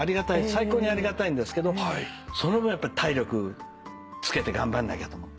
最高にありがたいんですけどその分やっぱり体力つけて頑張んなきゃと思って。